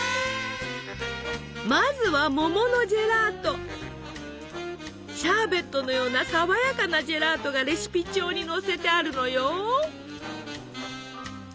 まずはシャーベットのようなさわやかなジェラートがレシピ帳に載せてあるのよ。